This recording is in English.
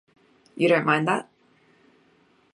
You don't mind that?